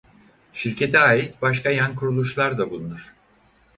Şirkete ait başka yan kuruluşlar da bulunur.